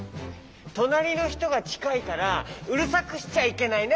となりのひとがちかいからうるさくしちゃいけないね。